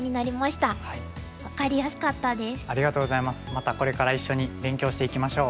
またこれから一緒に勉強していきましょう。